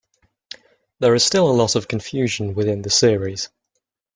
There is still a lot of confusion within the series.